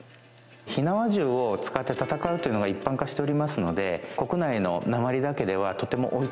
火縄銃を使って戦うというのが一般化しておりますので国内の鉛だけではとても追いつかない。